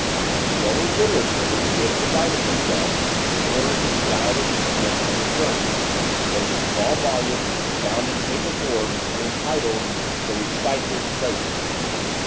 The only literature with which she had provided herself in order to beguile the tedium of her journey was a small volume bound in paper boards, and entitled, "The Reciter's Treasury."